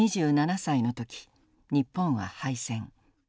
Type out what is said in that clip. ２７歳の時日本は敗戦。